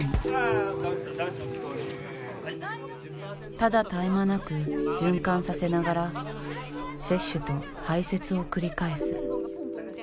ただ絶え間なく循環させながら摂取と排せつを繰り返す。